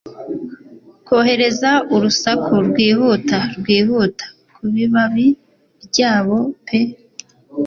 Kohereza urusaku rwihuta rwihuta kubibabi byabo pe